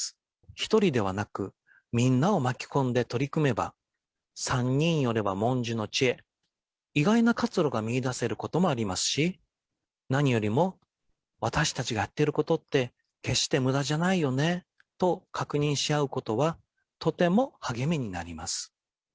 １人ではなく、みんなを巻き込んで取り組めば、三人寄れば文殊の知恵、意外な活路が見いだせることもありますし、何よりも私たちがやっていることって決してむだじゃないよねと確認し合うことはとても励みになります。